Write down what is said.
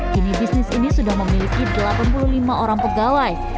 kini bisnis ini sudah memiliki delapan puluh lima orang pegawai